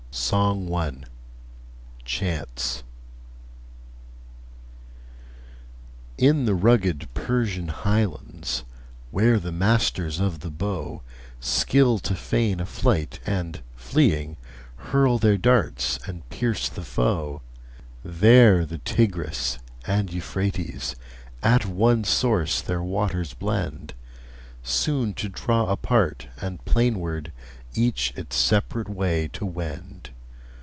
SONG I. CHANCE. In the rugged Persian highlands, Where the masters of the bow Skill to feign a flight, and, fleeing, Hurl their darts and pierce the foe; There the Tigris and Euphrates At one source[O] their waters blend, Soon to draw apart, and plainward Each its separate way to wend.